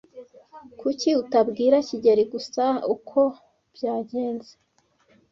Kuki utabwira kigeli gusa uko byagenze?